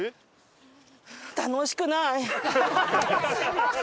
楽しくない！